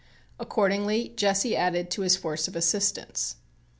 Accordingly Jesse added to his force of assistants.